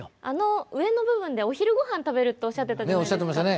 あの上の部分でお昼ご飯食べるっておっしゃってたじゃないですか。